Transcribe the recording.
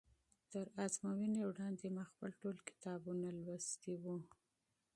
تر ازموینې وړاندې ما خپل ټول کتابونه لوستي وو.